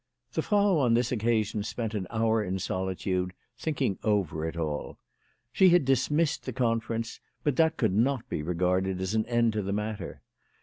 The Frau on this occasion spent an hour in solitude, thinking over it all. She had dismissed the conference, but that could not be regarded as an end to the matter.